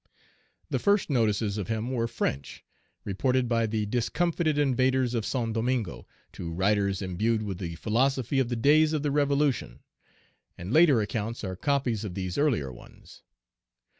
The first notices of him were French, reported by the discomfited invaders of Saint Domingo to writers imbued with the philosophy of the days of the Revolution; and later accounts are copies of these earlier ones.